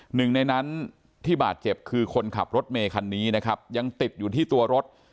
หนึ่งในนั้นที่บาดเจ็บคือคนขับรถเมคันนี้นะครับยังติดอยู่ที่ตัวรถ